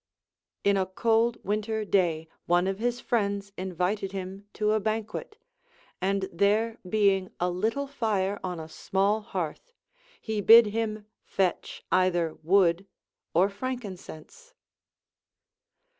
In a cold Avinter day one of his friends invited him to a banquet, and there being a little fire on a small hearth, he bid him fetch either wood or frankincense.